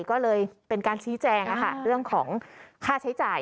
ก็เลยเป็นการชี้แจงเรื่องของค่าใช้จ่าย